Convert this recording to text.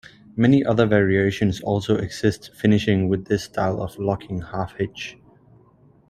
Many other variations also exist finishing with this style of locking half-hitch.